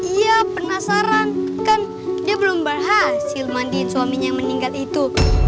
iya penasaran kan dia belum berhasil mandi suaminya yang meninggal itu